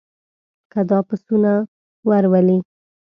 که دا پسونه ور ولې.